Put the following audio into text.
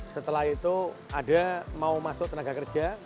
setelah itu ada mau masuk tenaga kerja